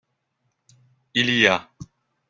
Il y a.